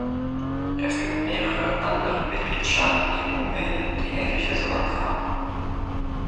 Es gibt mehrere andere Mitgliedstaaten neben Rumänien, die ähnliche Sorgen haben.